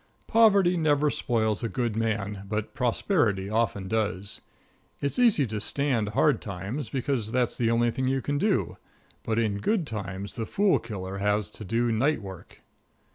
Poverty never spoils a good man, but prosperity often does. It's easy to stand hard times, because that's the only thing you can do, but in good times the fool killer has to do night work.